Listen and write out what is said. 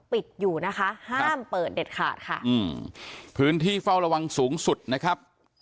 ปิดอยู่นะคะห้ามเปิดเด็ดขาดค่ะอืมพื้นที่เฝ้าระวังสูงสุดนะครับ